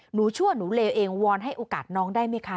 ชั่วหนูเลวเองวอนให้โอกาสน้องได้ไหมคะ